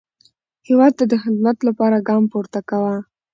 هیواد ته د خدمت لپاره ګام پورته کاوه.